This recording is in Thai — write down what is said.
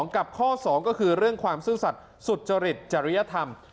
กับข้อ๒ก็คือเรื่องความซื่อสัตว์สุจริตจริยธรรม